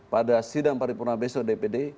pada sidang paripurna besok dpd